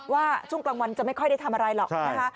ช่วงกลางวันจะไม่ค่อยได้ทำอะไรหรอกนะคะ